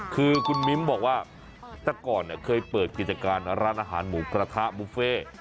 คือคุณมิ้มบอกว่าแต่ก่อนเคยเปิดกิจการร้านอาหารหมูกระทะบุฟเฟ่